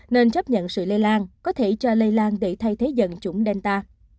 nên chấp nhận sự lây lan có thể cho lây lan để thay thế dần chủng delta